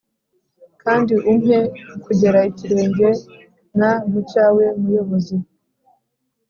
Kandi umpe kugera ikirenge nmucyawe muyobozi